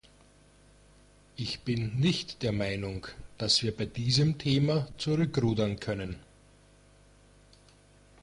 Ich bin nicht der Meinung, dass wir bei diesem Thema zurückrudern können.